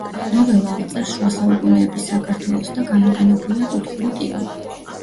ნოველა აღწერს შუასაუკუნეების საქართველოს და გამოყენებულია კუთხური კილო.